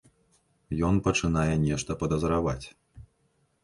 Ён пачынае нешта падазраваць.